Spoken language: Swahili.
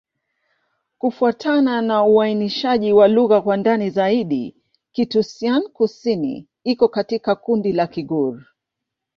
Kufuatana na uainishaji wa lugha kwa ndani zaidi, Kitoussian-Kusini iko katika kundi la Kigur.